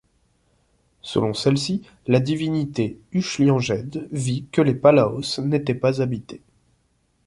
Selon celle-ci, la divinité Uchelianged vit que les Palaos n'étaient pas habités.